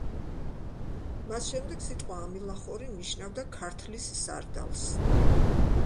მას შემდეგ სიტყვა „ამილახორი“ ნიშნავდა ქართლის სარდალს.